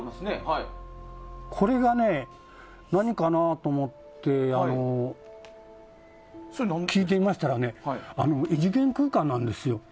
これが何かな？と思って聞いてみましたら異次元空間なんですよ。